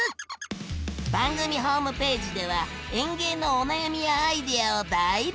番組ホームページでは園芸のお悩みやアイデアを大募集！